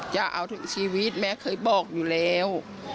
จะเอาถึงชีวิตแม่เคยบอกอยู่แล้ว